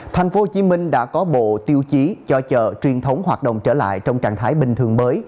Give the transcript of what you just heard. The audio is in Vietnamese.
thành phố hồ chí minh đã có bộ tiêu chí cho chợ truyền thống hoạt động trở lại trong trạng thái bình thường mới